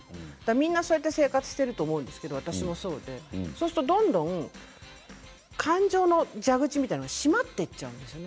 みんな、そうやって生活していると思うんですけれども私もそうでそうするとどんどん感情の蛇口が閉まっていくんです。